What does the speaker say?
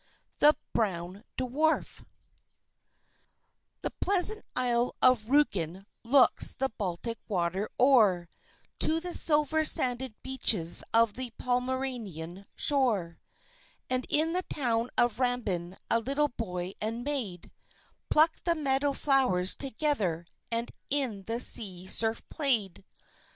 THE BROWN DWARF The pleasant isle of Rügen looks the Baltic water o'er, To the silver sanded beaches of the Pomeranian shore; And in the town of Rambin a little boy and maid Plucked the meadow flowers together and in the sea surf played.